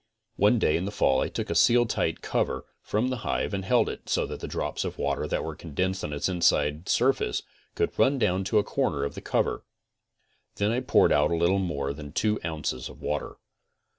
One day in the fall I took a Seal Tight cover from the hive and held it so that the drops of water that were condensed on its inside surface could run down to a corner of the cover. Then I poured out a little more than two ounces of water.